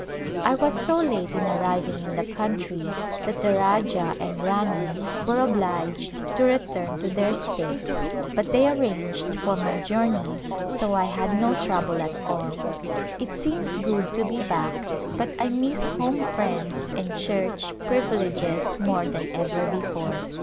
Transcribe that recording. I was so late in arriving in the country that the Rajah and Rani were obliged to return to their state, but they arranged for my journey so I had no trouble at all. It seems good to be back but I miss home friends and church privileges more than ever before.